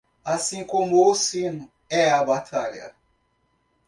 Assim como o sino, é a batalha.